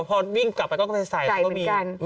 พอวิ่งกลับไปก็ไปใส่ก็มี